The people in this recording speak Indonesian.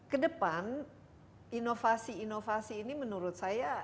kedepan inovasi inovasi ini menurut saya